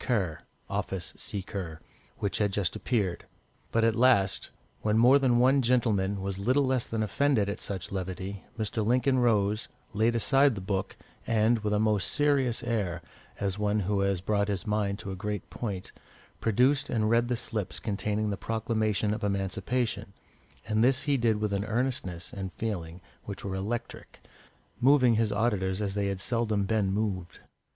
Kerr (office seeker), which had just appeared. But at last, when more than one gentleman was little less than offended at such levity, Mr. Lincoln rose, laid aside the book, and, with a most serious air, as of one who has brought his mind to a great point, produced and read the slips containing the Proclamation of Emancipation, and this he did with an earnestness and feeling which were electric, moving his auditors as they had seldom been moved.